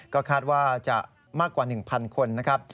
ก็คาดว่าจะมากกว่า๑๐๐คนนะครับ